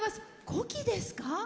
古希ですか？